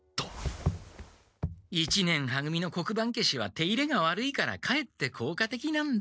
一年は組の黒板けしは手入れがわるいからかえってこうかてきなんだ！